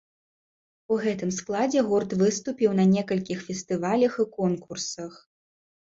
У гэтым складзе гурт выступіў на некалькіх фестывалях і конкурсах.